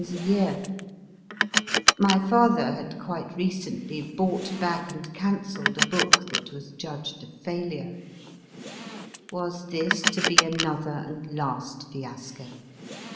a year ; my father had quite recently bought back and cancelled a book that was judged a failure : was this to be another and last fiasco?